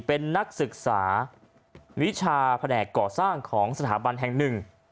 เป็นนักศึกษาวิชาแผนกก่อสร้างของสถาบันแห่งหนึ่ง